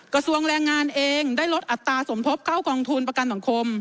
กระทรวงแรงงานเองได้ลดอัตราสมทบเข้ากองทุนประกันสังคม